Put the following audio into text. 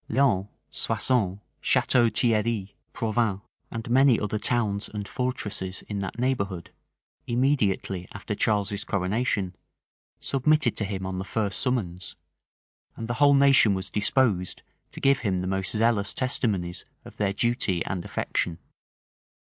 Laon, Soissons, Chateau Thierri, Provins, and many other towns and fortresses in that neighborhood, immediately after Charles's coronation, submitted to him on the first summons; and the whole nation was disposed to give him the most zealous testimonies of their duty and affection.